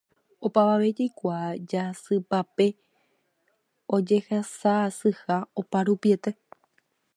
Opavave jaikuaa jasypápe ojehasa'asyha oparupiete